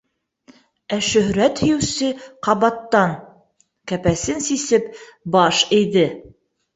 Ә шөһрәт һөйөүсе ҡабаттан, кәпәсен сисеп баш эйҙе.